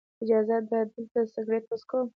اجازه ده دلته سګرټ وڅکم.